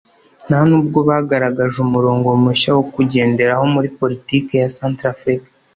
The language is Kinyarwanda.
nta n’ubwo bagaragaje umurongo mushya wo kugenderaho muri politike ya Centrafrique